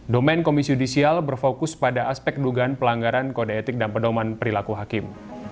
domen komisi yudisial berfokus pada aspek dugaan pelanggaran kode etik dan pedoman perilaku hakim